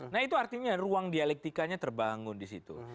nah itu artinya ruang dialektikanya terbangun di situ